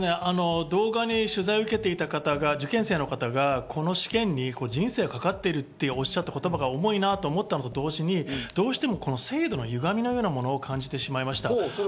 動画に取材を受けていた方が受験生の方がこの試験に人生がかかってるとおっしゃった言葉が重いなと思ったのと同時に、どうしても制度のゆがみのようなものを感じてしまいました。